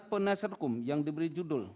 penasihat hukum yang diberi judul